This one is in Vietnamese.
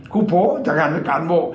cụ phố chẳng hạn là cán bộ